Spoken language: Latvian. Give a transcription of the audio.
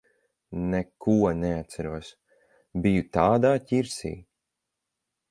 Neko neatceros. Biju tādā ķirsī.